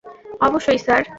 অবশ্যই, স্যার।